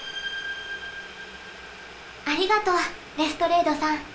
ありがとうレストレードさん。